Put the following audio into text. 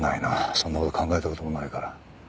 そんな事考えた事もないから。